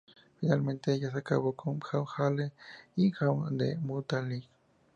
Finalmente, ella se casó con Abd Allah ibn Abd al-Muttalib.